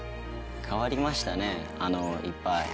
変わりましたね、いっぱい。